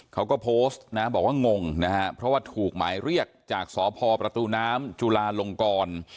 เขาก็โพสต์นะบอกว่างงนะฮะเพราะว่าถูกหมายเรียกจากสพประตูน้ำจุลาลงกร